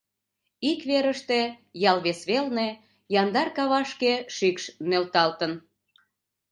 Ик верыште, ял вес велне, яндар кавашке шикш нӧлталтын.